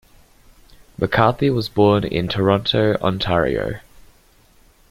McCarthy was born in Toronto, Ontario.